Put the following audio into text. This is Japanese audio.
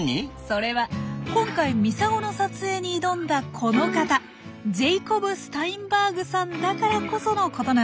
それは今回ミサゴの撮影に挑んだこの方ジェイコブ・スタインバーグさんだからこそのことなんです。